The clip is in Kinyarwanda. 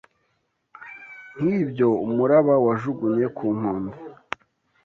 nkibyo umuraba wajugunye ku nkombe